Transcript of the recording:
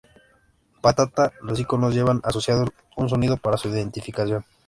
Patata, los iconos llevan asociados un sonido para su identificación.